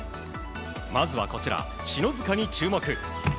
まずはこちら、篠塚に注目。